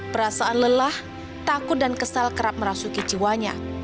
perasaan lelah takut dan kesal kerap merasuki jiwanya